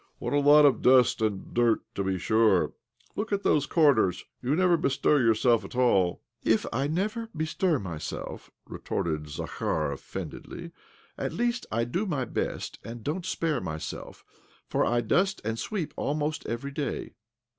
" What a lot of dust and dirt, to be sure I Look at those comers ! You never bestir yourself at all." " If I never bestir myself," retorted Zakhar offendedly, " at least I do my best, and don't spare myself, for I dust and sweep almost every day.